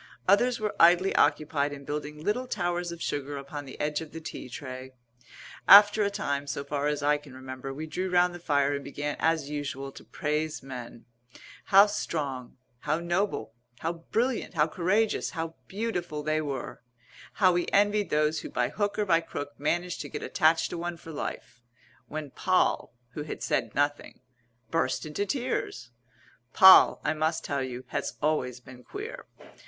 Others were idly occupied in building little towers of sugar upon the edge of the tea tray. After a time, so far as I can remember, we drew round the fire and began as usual to praise men how strong, how noble, how brilliant, how courageous, how beautiful they were how we envied those who by hook or by crook managed to get attached to one for life when Poll, who had said nothing, burst into tears. Poll, I must tell you, has always been queer.